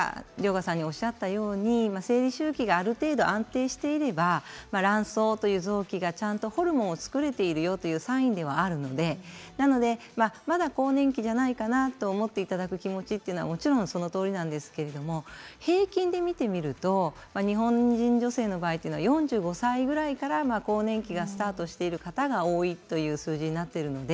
生理周期がある程度安定していれば卵巣という臓器がちゃんとホルモンを作っているよというサインではあるのでまだ更年期ではないかなと思っていただく気持ちはそのとおりなんですけれど平均で見てみると日本人女性の場合４５歳ぐらいから更年期がスタートしている方が多いという数字になっています。